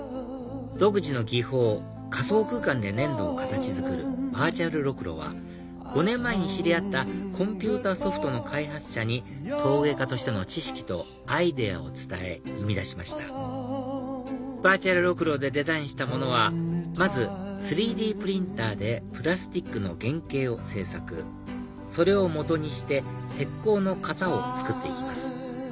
独自の技法仮想空間で粘土を形作るバーチャルろくろは５年前に知り合ったコンピューターソフトの開発者に陶芸家としての知識とアイデアを伝え生み出しましたバーチャルろくろでデザインしたものはまず３Ｄプリンターでプラスチックの原型を制作それを基にして石こうの型を作って行きます